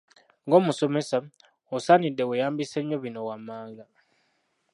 Ng’omusomesa, osaanidde weeyambise nnyo bino wammanga